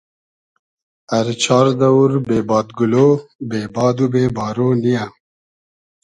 ار چار دئوور بې بادگولۉ ، بې باد و بې بارۉ نییۂ